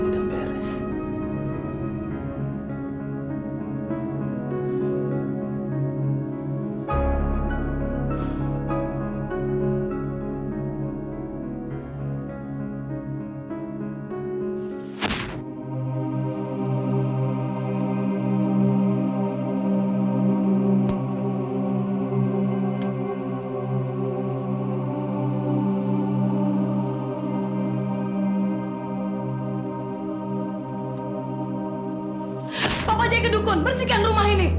ini tuhan menyakitkan omelia kamu lagi